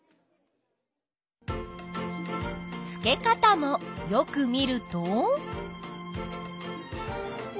付け方もよく見ると？